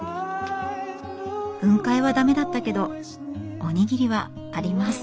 雲海は駄目だったけどおにぎりはあります。